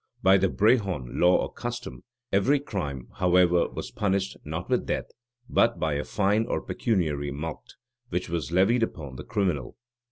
By the "Brehon" law or custom, every crime, however enormous, was punished, not with death, but by a fine or pecuniary mulct, which was levied upon the criminal.